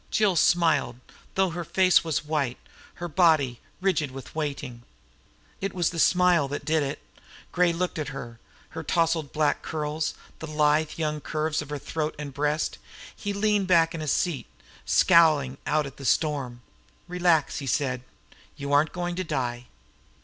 Jill smiled, though her face was white, her body rigid with waiting. It was the smile that did it. Gray looked at her, her tousled black curls, the lithe young curves of throat and breast. He leaned back in his seat, scowling out at the storm. "Relax," he said. "You aren't going to die."